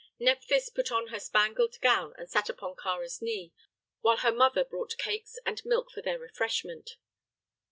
Nephthys put on her spangled gown and sat upon Kāra's knee, while her mother brought cakes and milk for their refreshment.